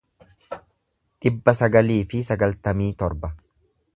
dhibba sagalii fi sagaltamii torba